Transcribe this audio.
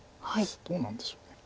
どうなんでしょう。